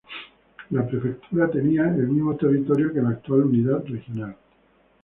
La prefectura tenía el mismo territorio que la actual unidad regional.